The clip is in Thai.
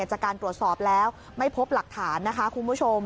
จากการตรวจสอบแล้วไม่พบหลักฐานนะคะคุณผู้ชม